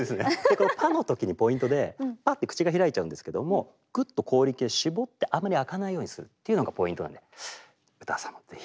この「ぱ」のときにポイントで「ぱ」って口が開いちゃうんですけどもぐっと口輪筋をしぼってあんまり開かないようにするっていうのがポイントなんで詩羽さんもぜひ。